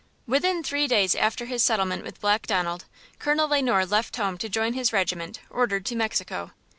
WITHIN three days after his settlement with Black Donald, Colonel Le Noir left home to join his regiment, ordered to Mexico.